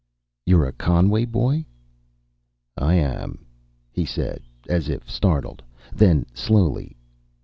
"You're a Conway boy?" "I am," he said, as if startled. Then, slowly...